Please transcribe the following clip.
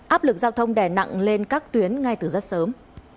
áp lực giao thông đè nặng lên các tuyến ngay từ rất sớm